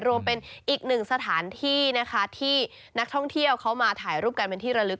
รวมถึงอีกหนึ่งสถานที่นะคะที่นักท่องเที่ยวเขามาถ่ายรูปกันเป็นที่ระลึก